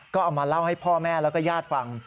ก็เอามาเล่าให้พ่อแม่แล้วก็ญาติฟัง